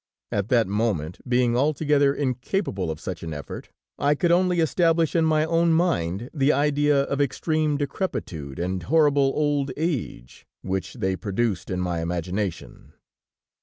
At that moment, being altogether incapable of such an effort, I could only establish in my own mind the idea of extreme decrepitude and horrible old age, which they produced in my imagination.